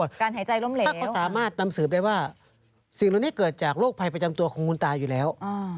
ถ้าเขาสามารถนำสืบได้ว่าสิ่งนี้เกิดจากโรคภัยประจำตัวของคุณตาอยู่แล้ว